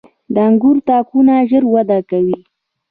• د انګورو تاکونه ژر وده کوي.